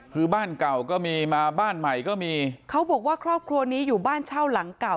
คือบ้านเก่าก็มีมาบ้านใหม่ก็มีเขาบอกว่าครอบครัวนี้อยู่บ้านเช่าหลังเก่า